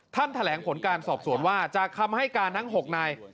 แถลงผลการสอบสวนว่าจากคำให้การทั้ง๖นาย